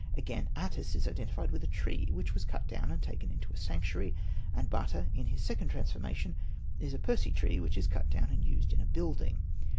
Again, Atys is identified with a tree, which was cut down and taken into a sanctuary ; and Bata in his second transformation is a Persea tree which is cut down and used in building.